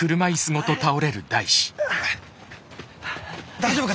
大丈夫か！？